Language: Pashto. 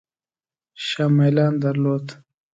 شاه میلان درلود.